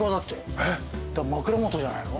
枕元じゃないの？